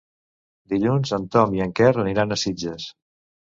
Dilluns en Tom i en Quer aniran a Sitges.